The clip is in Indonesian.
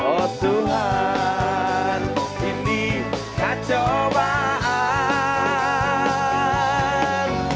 oh tuhan ini kecobaan